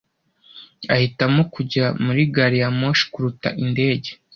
Ahitamo kujya muri gari ya moshi kuruta indege.